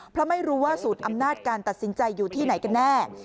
เพราะไม่รู้ว่าสูตรอำนาจการตัดสินใจอยู่ที่ไหนกันแน่